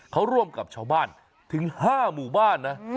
เขาร่วมกับชาวบ้านถึง๕หมู่บ้านนะ